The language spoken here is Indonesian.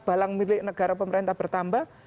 balang milik negara pemerintah bertambah